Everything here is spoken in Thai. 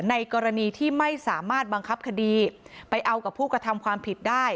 ในกรณีที่ไม่สามารถบังคับคดีไปเอากับผู้กระทำความผิดได้